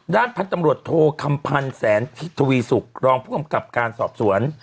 ด้านพันธุ์ตำรวจโทคำพันธ์แสนทวีสุกรองผู้กำกับการสอบสวน